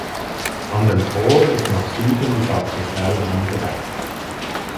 An den Chor ist nach Süden die Sakristei angebaut.